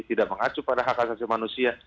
tidak mengacu pada hak asasi manusia